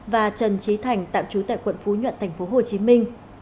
và trần trí thành tạm chú tại quận phú nhuận thành phố hồ chí minh